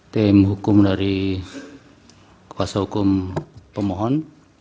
tim hukum dari kuasa hukum pemohon